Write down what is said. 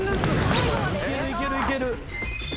いけるいけるいける。